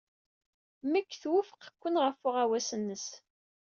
Meg twufeq Ken ɣef uɣawas-nnes.